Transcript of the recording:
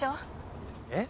えっ？